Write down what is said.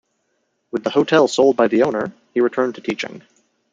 With the hotel sold by the owner, he returned to teaching.